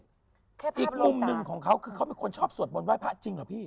แค่ภาพลงตาอีกมุมหนึ่งของเขาคือเขาไม่ควรชอบสวดมนต์ว่ายพระจริงหรือพี่